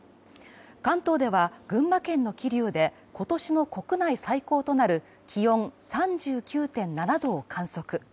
関東では群馬県の桐生で今年の国内最高となる気温３９．７度を観測。